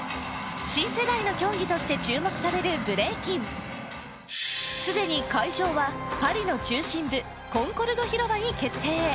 新世代の競技として注目されるブレイキン既に会場はパリの中心部コンコルド広場に決定